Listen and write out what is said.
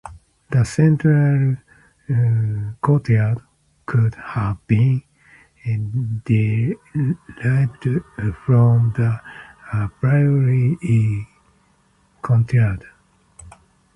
The central courtyard could have been derived from the priory courtyard.